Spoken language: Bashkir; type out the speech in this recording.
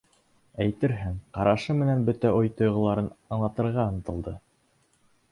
Әйтерһең, ҡарашы менән бөтә уй-тойғоларын аңлатырға ынтылды.